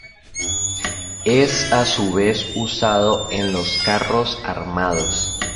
Es a su vez usado en los carros armados.